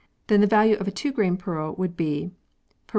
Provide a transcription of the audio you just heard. then the value of a 2 grain pearl would be 2x2.